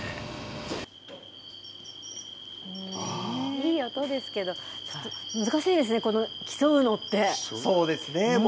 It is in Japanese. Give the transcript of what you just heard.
いい音ですけど、ちょっと難しいですね、そうですね。